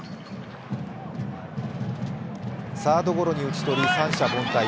サードゴロに打ち取り、三者凡退。